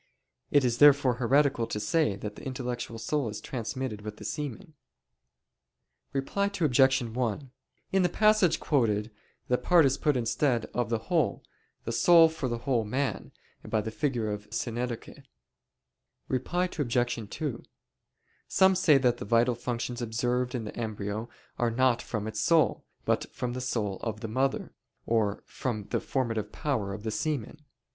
It is therefore heretical to say that the intellectual soul is transmitted with the semen. Reply Obj. 1: In the passage quoted, the part is put instead of the whole, the soul for the whole man, by the figure of synecdoche. Reply Obj. 2: Some say that the vital functions observed in the embryo are not from its soul, but from the soul of the mother; or from the formative power of the semen.